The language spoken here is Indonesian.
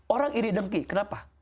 orang iri demki kenapa